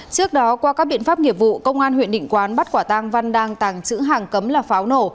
trước đó qua các biện pháp nghiệp vụ công an huyện định quán bắt quả tang văn đang tàng trữ hàng cấm là pháo nổ